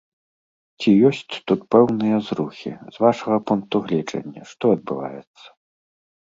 Ці ёсць тут пэўныя зрухі, з вашага пункта гледжання, што адбываецца?